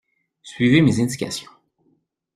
Suivez mes indications.